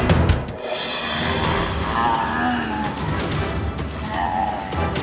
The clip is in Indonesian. kisah kisah yang terjadi di dalam hidupku